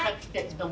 どうも。